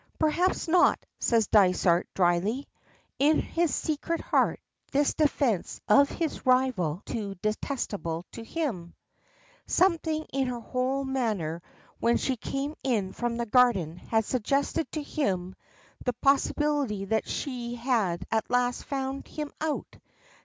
"Perhaps not," says Dysart, drily. In his secret heart this defence of his rival is detestable to him. Something in her whole manner when she came in from the garden had suggested to him the possibility that she had at last found him out.